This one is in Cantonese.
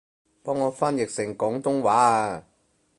幫我翻譯成廣東話吖